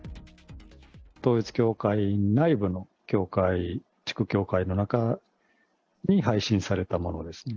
統一教会内部の教会、地区教会の中に配信されたものですね。